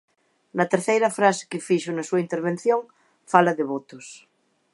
Na terceira frase que fixo na súa intervención fala de votos.